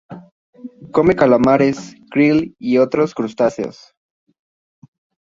Come calamares, krill y otros crustáceos.